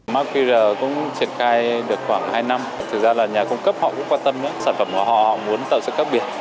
mã qr cũng triển khai được khoảng hai năm thực ra là nhà cung cấp họ cũng quan tâm sản phẩm của họ họ muốn tạo sự khác biệt